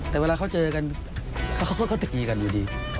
แต่เวลาเขาเจอกันเขาก็ตีกันอยู่ดี